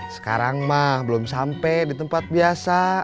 sekarang mah belum sampai di tempat biasa